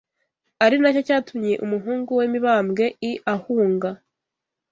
ari nacyo cyatumye umuhungu we Mibambwe I ahunga